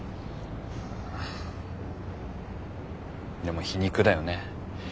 でも皮肉だよね。